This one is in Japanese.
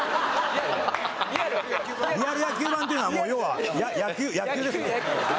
リアル野球盤っていうのはもう要は野球野球ですか？